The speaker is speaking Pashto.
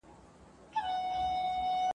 له دې څخه دغه خیال و پنځیدی